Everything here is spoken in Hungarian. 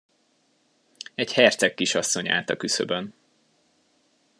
Egy hercegkisasszony állt a küszöbön.